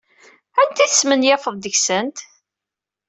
Anta ay tesmenyafeḍ deg-sent?